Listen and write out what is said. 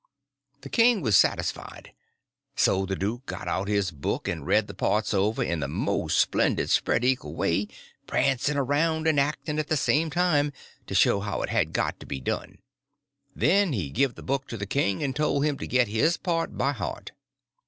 The king was satisfied; so the duke got out his book and read the parts over in the most splendid spread eagle way, prancing around and acting at the same time, to show how it had got to be done; then he give the book to the king and told him to get his part by heart.